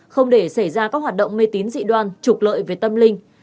không để xảy ra các hoạt động mê tín dị đoan trục lợi về tâm linh